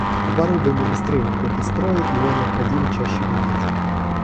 Оборудование быстрее выходит из строя и его необходимо чаще менять